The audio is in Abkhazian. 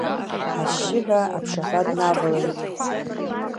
Ашьшьыҳәа аԥшаҳәа днавалеит.